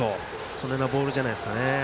そのようなボールじゃないですかね。